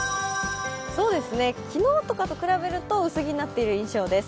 昨日とかと比べると薄着になっている印象です。